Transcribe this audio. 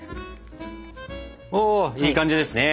いい感じですね。